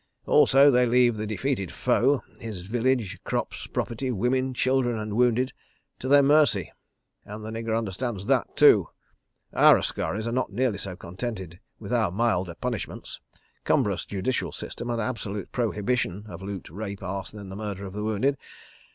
Also they leave the defeated foe—his village, crops, property, women, children and wounded—to their mercy—and the nigger understands that too. ... Our askaris are not nearly so contented with our milder punishments, cumbrous judicial system, and absolute prohibition of loot, rape, arson and the murder of the wounded.